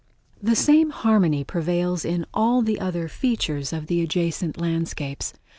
The same harmony prevails in all the other features of the adjacent landscapes.